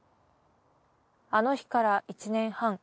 あの日から１年半。